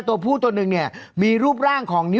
ตัวผู้ตัวหนึ่งเนี่ยมีรูปร่างของนิ้ว